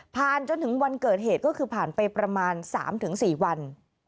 จนถึงวันเกิดเหตุก็คือผ่านไปประมาณ๓๔วัน